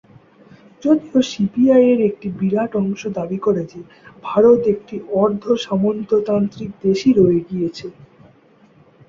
যদিও সিপিআই-এর একটি বিরাট অংশ দাবি করে যে ভারত একটি অর্ধ-সামন্ততান্ত্রিক দেশই রয়ে গিয়েছে।